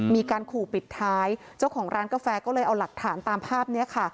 มีการขู่ปิดท้ายเจ้าของร้านกาแฟก็เลยเอาหลักฐานตามภาพนี้ค่ะ